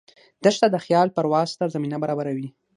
دښته د خیال پرواز ته زمینه برابروي.